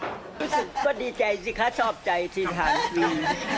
รู้สึกก็ดีใจสิคะชอบใจที่หาวิธี